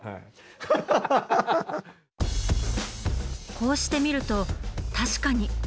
こうして見ると確かに。